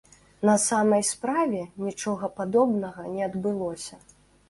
На самай справе, нічога падобнага не адбылося.